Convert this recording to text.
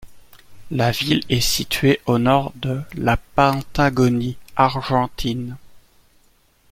La ville est située au nord de la Patagonie argentine.